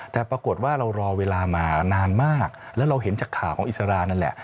แต่ปรากฏว่าเรารอเวลามานานมากแล้วเราเห็นจากข่าวของอิสรานั่นแหละ